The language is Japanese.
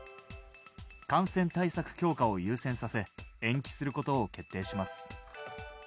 感染対策強化を優先させ、延期することを決定します。